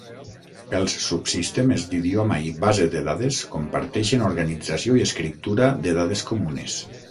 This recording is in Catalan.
Els subsistemes d'idioma i base de dades comparteixen organització i escriptura de dades comunes.